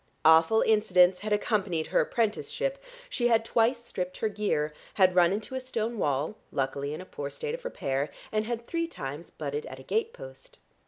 Awful incidents had accompanied her apprenticeship; she had twice stripped her gear, had run into a stone wall, luckily in a poor state of repair, and had three times butted at a gate post.